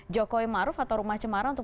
jokowi maruf atau rumah cemara untuk